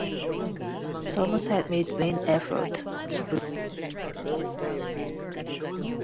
Somerset made vain efforts to procure his release and continued his pension.